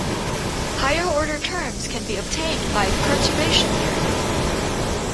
Higher order terms can be obtained by perturbation theory.